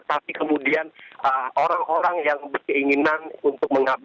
tapi kemudian orang orang yang berkeinginan untuk mengambil